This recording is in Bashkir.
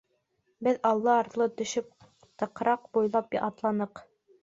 Беҙ, аллы-артлы төшөп, тыҡрыҡ буйлап атланыҡ.